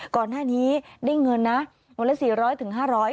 ก่อนหน้านี้ได้เงินนะวันละสี่ร้อยถึงห้าร้อย